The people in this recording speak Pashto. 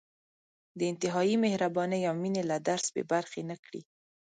د انتهايي مهربانۍ او مېنې له درس بې برخې نه کړي.